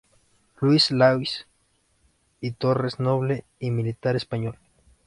Luis Daoiz y Torres, noble y militar español.